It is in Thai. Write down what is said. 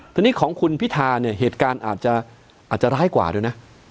ทีนี้ของคุณพิธาเนี่ยเหตุการณ์อาจจะร้ายกว่าด้วยนะ